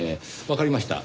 わかりました。